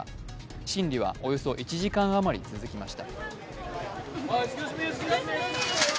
審理はおよそ１時間あまり続きました。